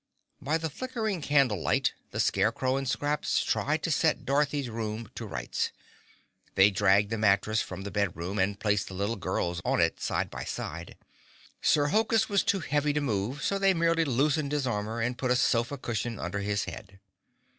By the flickering candle light the Scarecrow and Scraps tried to set Dorothy's room to rights. They dragged the mattress from the bed room and placed the little girls on it, side by side. Sir Hokus was too heavy to move, so they merely loosened his armor and put a sofa cushion under his head.